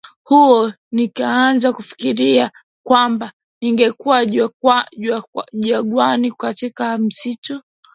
huo nikaanza kufikiria kwamba ningekuwa jangwani katika ya msitu